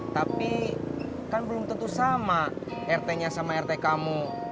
tapi kan belum tentu sama rt nya sama rt kamu